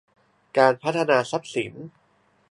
การพัฒนาทรัพย์สิน